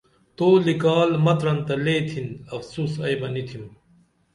تو لِکال متران تہ لے تِھن افسوس ائی بہ نی تِھم